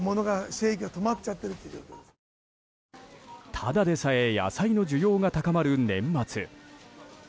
ただでさえ野菜の需要が高まる年末。